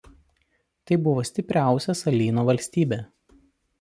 Tai buvo stipriausia salyno valstybė.